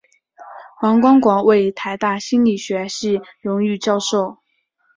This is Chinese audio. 黄光国为台大心理学系荣誉教授。